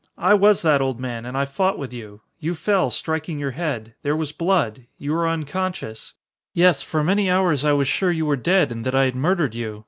I was that old man and I fought with you. You fell, striking your head. There was blood. You were unconscious. Yes, for many hours I was sure you were dead and that I had murdered you.